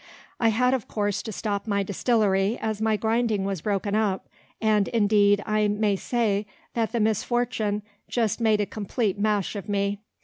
I had, of course, to stop my distillery, as my grinding was broken up; and, indeed, I may say, that the misfortune just made a complete mash of me.